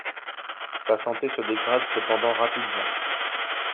Sa santé se dégrade cependant rapidement.